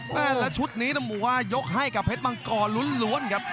และชุดนี้น้ำหัวยกให้กับเพชรมังกรรุ้นครับ